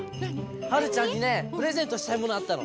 はるちゃんにねプレゼントしたいものあったの。